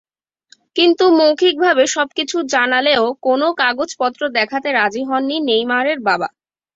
কিন্তু মৌখিকভাবে সবকিছু জানালেও কোনো কাগজপত্র দেখাতে রাজি হননি নেইমারের বাবা।